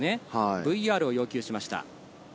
ＶＲを要求しました。